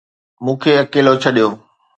مون کي اڪيلو ڇڏيو